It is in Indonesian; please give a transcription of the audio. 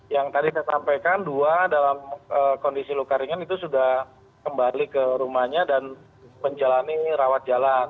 yang tadi saya sampaikan dua dalam kondisi luka ringan itu sudah kembali ke rumahnya dan menjalani rawat jalan